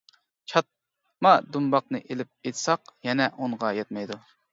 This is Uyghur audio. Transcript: چاتما دۇمباقنى ئېلىپ ئېيتساق يەنە ئونغا يەتمەيدۇ.